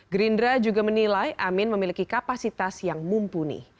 gerindra juga menilai amin memiliki kapasitas yang mumpuni